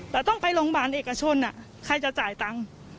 แต่ต้องไปโรงพยาบาลเอกชนใครจะจ่ายตังค์